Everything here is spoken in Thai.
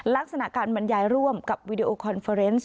ลักษณะการบรรยายร่วมกับวีดีโอคอนเฟอร์เนส